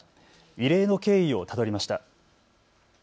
異例の経緯をたどりました。